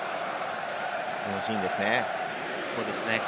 このシーンですね。